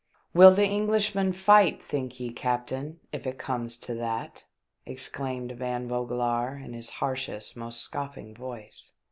"Will the Englishman fight, think ye, captain, if it comes to that ?" exclaimed Van Vogelaar, in his harshest, most scoffing voice.